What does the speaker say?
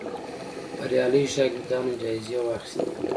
بریالیو شاګردانو جایزې واخیستې